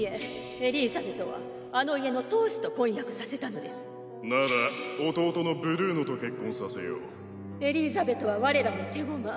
エリーザベトはあの家のなら弟のブルーノと結婚させよエリーザベトは我らの手駒。